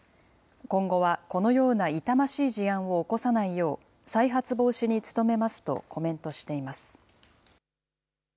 今後はこのような痛ましい事案を起こさないよう、再発防止に努めますとコメントしています。